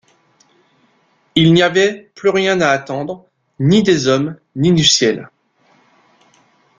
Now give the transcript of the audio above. Il n’y avait plus rien à attendre, ni des hommes, ni du ciel.